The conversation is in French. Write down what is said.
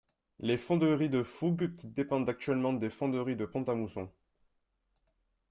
Les fonderies de Foug qui dépendent actuellement des fonderies de Pont-à-Mousson.